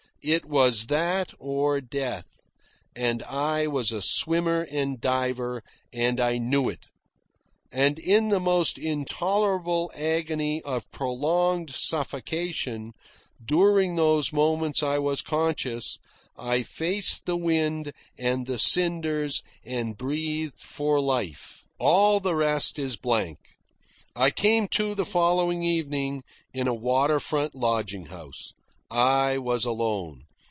It was that or death, and I was a swimmer and diver, and I knew it; and in the most intolerable agony of prolonged suffocation, during those moments I was conscious, I faced the wind and the cinders and breathed for life. All the rest is a blank. I came to the following evening, in a water front lodging house. I was alone.